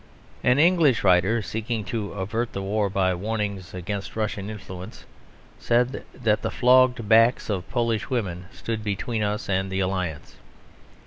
An English writer, seeking to avert the war by warnings against Russian influence, said that the flogged backs of Polish women stood between us and the Alliance.